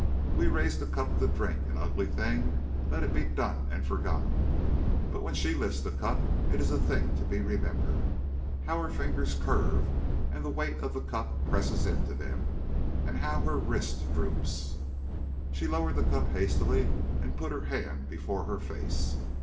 We raise the cup to drink. An ugly thing let it be done and forgotten. But when she lifts the cup it is a thing to be remembered; how her fingers curve and the weight of the cup presses into them, and how her wrist droops." She lowered the cup hastily and put her hand before her face.